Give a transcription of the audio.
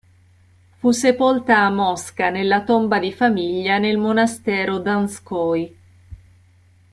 Fu sepolta a Mosca, nella tomba di famiglia nel monastero Donskoj.